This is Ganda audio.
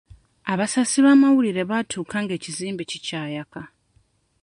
Abasasi b'amawulire batuuka ng'ekizimbe kikyayaka.